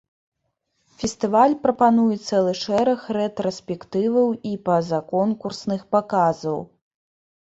Фестываль прапануе цэлы шэраг рэтраспектываў і па-за конкурсных паказаў.